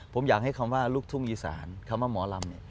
ผมอยากให้คำว่าลูกทุ่งอีสานคำว่าหมอลำเนี่ย